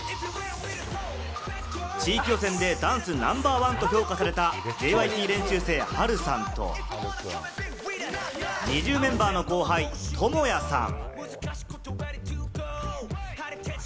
地域予選でダンスナンバーワンと評価されたＪＹＰ練習生・ハルさんと、ＮｉｚｉＵメンバーの後輩・トモヤさん。